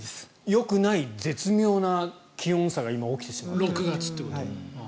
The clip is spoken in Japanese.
よくない絶妙な気温差が起きてしまっている。